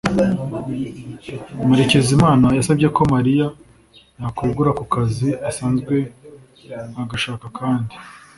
Murekezimana yasabye ko Mariya yakwegura ku kazi asanzwe agashaka akandi.